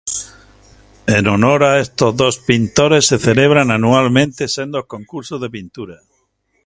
En honor a estos dos pintores se celebran anualmente sendos concursos de pintura.